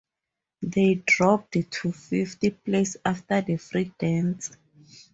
They dropped to fifth place after the free dance.